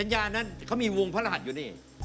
อย่างหงุดหงิด